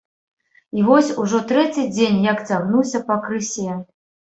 І вось ужо трэці дзень, як цягнуся пакрысе.